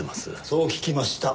そう聞きました。